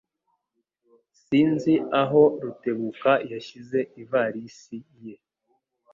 Sinzi aho Rutebuka yashyize ivarisi ye.